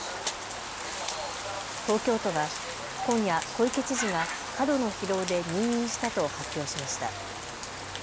東京都は今夜、小池知事が過度の疲労で入院したと発表しました。